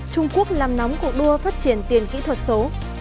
trung quốc làm nóng cuộc đua phát triển tiền kỹ thuật số